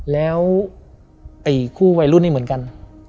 แล้วตีคู่วัยรุ่นนี่เหมือนกัน